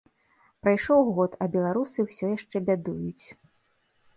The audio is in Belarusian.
Прайшоў год, а беларусы ўсё яшчэ бядуюць.